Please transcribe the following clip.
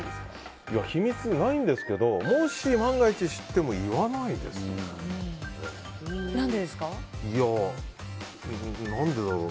秘密ないんですけどもし万が一知っても言わないです。